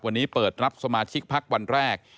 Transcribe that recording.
วันนี้เปิดรับสมาชิกพักวันแรก